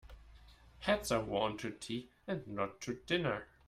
Hats are worn to tea and not to dinner.